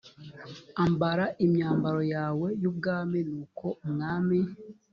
ambara imyambaro yawe y ubwami nuko umwami